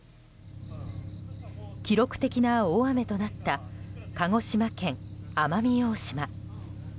記録的な大雨となった鹿児島県奄美大島。